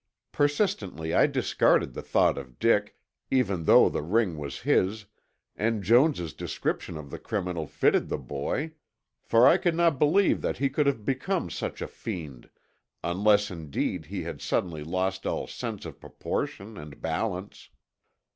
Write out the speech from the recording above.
Persistently I discarded the thought of Dick, even though the ring was his, and Jones' description of the criminal fitted the boy, for I could not believe that he could have become such a fiend, unless indeed he had suddenly lost all sense of proportion and balance.